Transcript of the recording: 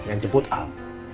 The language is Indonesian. yang jemput al